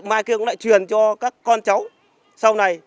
mai cường cũng lại truyền cho các con cháu sau này